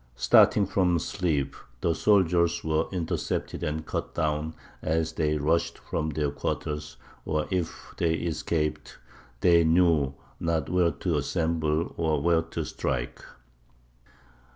Starting from sleep, the soldiers were intercepted and cut down as they rushed from their quarters; or, if they escaped, they knew not where to assemble, or where to strike.